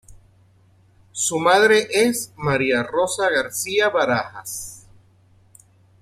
Su madre es María Rosa García Barajas.